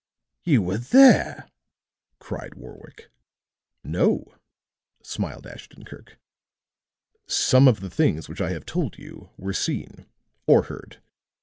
"You were there!" cried Warwick. "No," smiled Ashton Kirk. "Some of the things which I have told you were seen, or heard.